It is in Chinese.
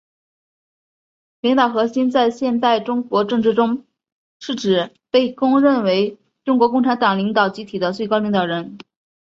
领导核心在现代中国政治中是指被公认为中国共产党领导集体的最高领导人。